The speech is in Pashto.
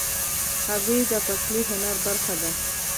هګۍ د پخلي هنر برخه ده.